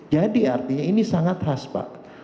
jadi artinya ini sangat khas pak